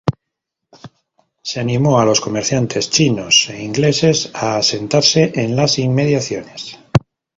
Se animó a los comerciantes Chinos e Ingleses a asentarse en las inmediaciones.